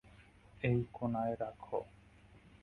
এই কোণায় রাখো।